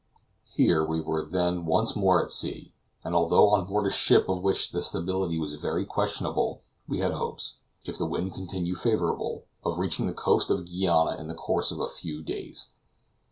Here we were then once more at sea, and although on board a ship of which the stability was very questionable, we had hopes, if the wind continued favorable, of reaching the coast of Guiana in the course of a few days.